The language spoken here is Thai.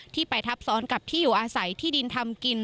ไปทับซ้อนกับที่อยู่อาศัยที่ดินทำกิน